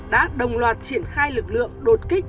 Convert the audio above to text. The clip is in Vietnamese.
đã đồng loạt triển khai lực lượng đột kích